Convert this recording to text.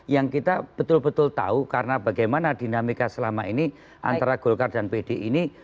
yang kita betul betul tahu karena bagaimana dinamika selama ini antara golkar dan pdi ini